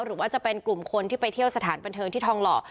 หรือว่าจะเป็นกลุ่มคนที่ไปเที่ยวสถานบันเทิงที่ทองหล่อ